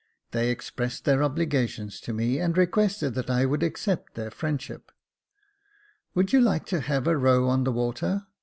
They expressed their obligations to me, and requested that I would accept their friendship. " Would you like to have a row on the water